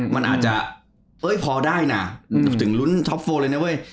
มันอาจจะเอ้ยพอได้นะถึงลุ้นท็อปโฟเลยนะเว้ย